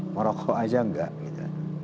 mau rokok aja enggak